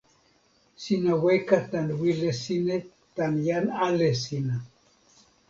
sina weka tan wile sina tan jan ale sina.